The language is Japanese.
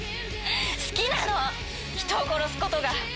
好きなの、人を殺すことが。